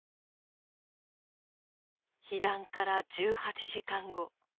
被弾から１８時間後。